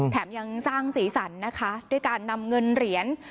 แถมยังสร้างศีลสรรค์นะคะด้วยการนำเงินเหรียญ